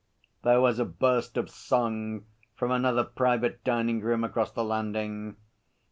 There was a burst of song from another private dining room across the landing.